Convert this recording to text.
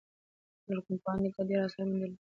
لرغونپوهانو دلته ډیر اثار موندلي